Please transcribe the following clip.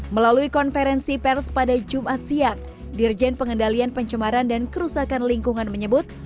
melalui konferensi pers pada jumat siang dirjen pengendalian pencemaran dan kerusakan lingkungan menyebut